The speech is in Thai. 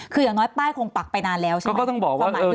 คืออย่างน้อยป้ายคงปักไปนานแล้วใช่ไหม